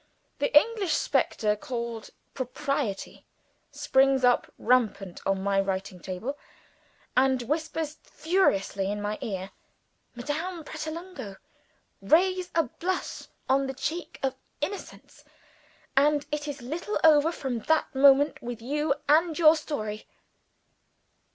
The English specter called Propriety springs up rampant on my writing table, and whispers furiously in my ear, "Madame Pratolungo, raise a blush on the cheek of Innocence, and it is all over from that moment with you and your story."